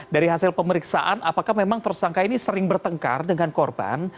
dari hasil pemeriksaan apakah memang tersangka ini sering bertengkar dengan korban